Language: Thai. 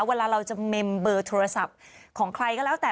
เวลาเราจะเมมเบอร์โทรศัพท์ของใครก็แล้วแต่